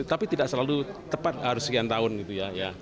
tapi tidak selalu tepat harus sekian tahun gitu ya